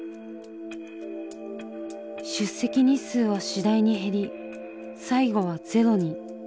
出席日数は次第に減り最後はゼロに。